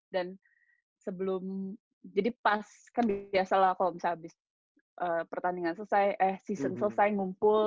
dan sebelum jadi pas kan biasa lah kalau misal abis pertandingan selesai eh season selesai ngumpul